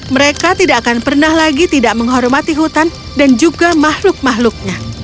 mereka tidak akan pernah lagi tidak menghormati hutan dan juga makhluk makhluknya